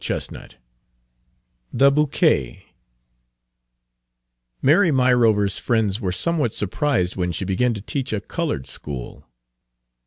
Page 269 THE BOUQUET MARY MYROVER'S friends were somewhat surprised when she began to teach a colored school.